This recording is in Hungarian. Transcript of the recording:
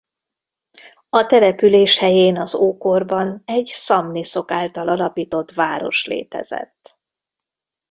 A település helyén az ókorban egy szamniszok által alapított város létezett.